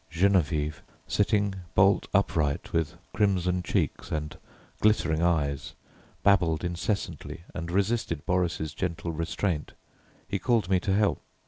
Geneviève, sitting bolt upright, with crimson cheeks and glittering eyes, babbled incessantly and resisted Boris' gentle restraint. He called me to help.